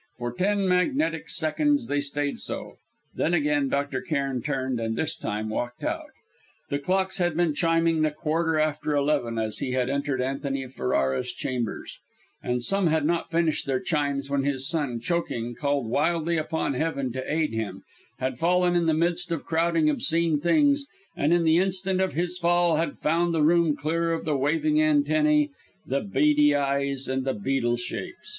For ten magnetic seconds they stayed so, then again Dr. Cairn turned, and this time walked out. The clocks had been chiming the quarter after eleven as he had entered Antony Ferrara's chambers, and some had not finished their chimes when his son, choking, calling wildly upon Heaven to aid him, had fallen in the midst of crowding, obscene things, and, in the instant of his fall, had found the room clear of the waving antennæ, the beady eyes, and the beetle shapes.